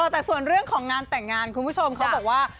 แต่ส่วนเรื่องของงานแต่งงานคุณผู้ชมเขาบอกว่า